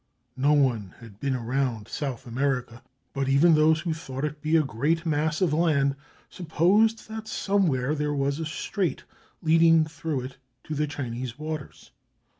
No one had been around South America, but even those who thought it to be a great mass of land supposed that somewhere there was a strait leading through it to the Chinese wa ters.